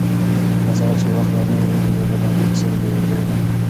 هغه سړی چې یو وخت ظالم و، اوس د یو مظلوم په څېر وېرېده.